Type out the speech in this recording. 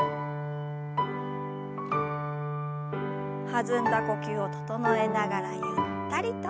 弾んだ呼吸を整えながらゆったりと。